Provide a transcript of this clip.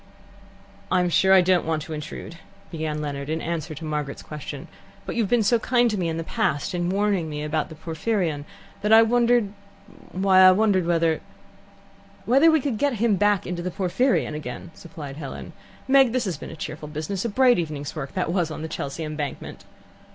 "I'm sure I don't want to intrude," began Leonard, in answer to Margaret's question. "But you have been so kind to me in the past in warning me about the Porphyrion that I wondered why, I wondered whether " "Whether we could get him back into the Porphyrion again," supplied Helen. "Meg, this has been a cheerful business. A bright evening's work that was on Chelsea Embankment."